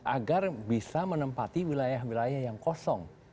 agar bisa menempati wilayah wilayah yang kosong